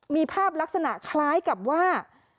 มีภาพลักษณะคล้ายกับว่า